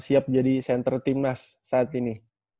siap jadi center timnas saat ini